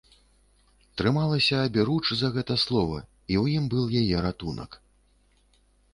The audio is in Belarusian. Трымалася аберуч за гэта слова, і ў ім быў яе ратунак.